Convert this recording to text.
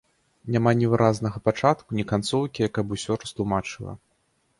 Няма ні выразнага пачатку, ні канцоўкі, якая б усё растлумачыла.